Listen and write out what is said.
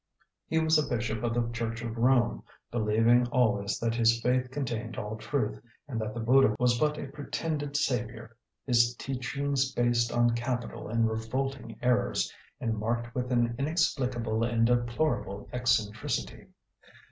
He was a bishop of the Church of Rome, believing always that his faith contained all truth, and that the Buddha was but a 'pretended saviour,' his teachings based on 'capital and revolting errors,' and marked with an 'inexplicable and deplorable eccentricity.'